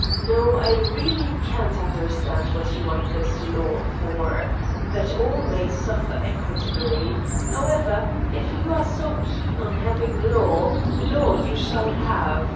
No, I really can't understand what you want this law for ! That all may suffer equitably! However, if you are so keen on hav ing law, law you shall have.